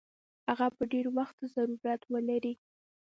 هغه به ډېر وخت ته ضرورت ولري.